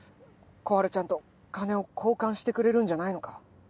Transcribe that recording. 心春ちゃんと金を交換してくれるんじゃないのか？